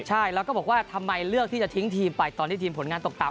ใช่แล้วก็บอกว่าทำไมเลือกที่จะทิ้งทีมไปตอนที่ทีมผลงานตกต่ำ